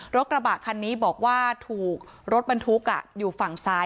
รถกระบะคันนี้บอกว่าถูกรถบรรทุกอยู่ฝั่งซ้าย